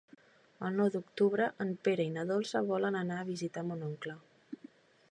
El nou d'octubre en Pere i na Dolça volen anar a visitar mon oncle.